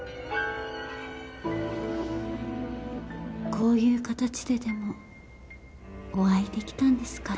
こういう形ででもお会いできたんですから。